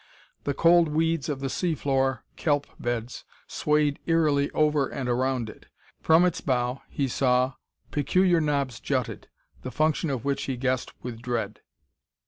The cold weeds of the sea floor kelp beds swayed eerily over and around it. From its bow, he saw, peculiar knobs jutted, the function of which he guessed with dread.